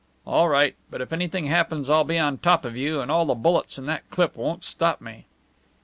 "All right. But if anything happens I'll be on top of you, and all the bullets in that clip won't stop me."